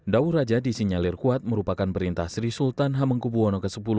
dau raja disinyalir kuat merupakan perintah sri sultan hamengkubwono x